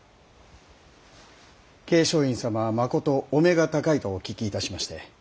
桂昌院様はまことお目が高いとお聞きいたしまして。